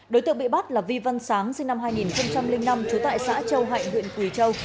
đối tượng bị bắt là vi văn sáng sinh năm hai nghìn năm trú tại xã châu hạnh huyện quỳ châu